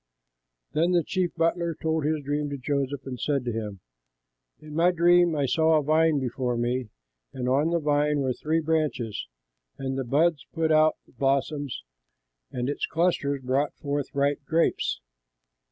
Then the chief butler told his dream to Joseph and said to him, "In my dream I saw a vine before me, and on the vine were three branches, and the buds put out blossoms, and its clusters brought forth ripe grapes.